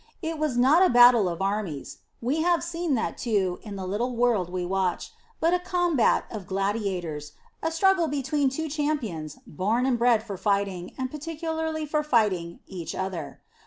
It was not a battle of armies we have seen that, too, in the little world we watch, but a combat of gladiators, a struggle between two champions born and bred for fighting, and particularly for fighting each other.